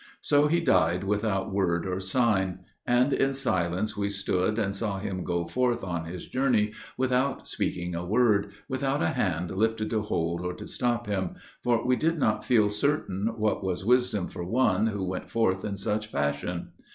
So he died without word or sign. And in silence We stood and saw him go forth on his journey Without speaking a word, without a hand lifted To hold or to stop him, for we did not feel certain What was wisdom for one who went forth in such fashion.